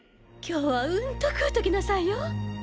今日はうんと食うときなさいよ。